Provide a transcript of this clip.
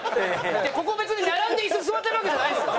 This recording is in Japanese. ここ別に並んで椅子座ってるわけじゃないんですよ